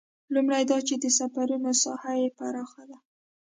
لومړی دا چې د سفرونو ساحه یې پراخه ده.